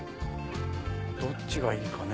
どっちがいいかね。